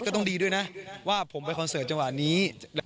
ก็ต้องดีด้วยนะว่าผมไปคอนเสิร์ตจังหวะนี้